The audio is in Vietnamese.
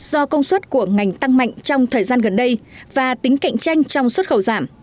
do công suất của ngành tăng mạnh trong thời gian gần đây và tính cạnh tranh trong xuất khẩu giảm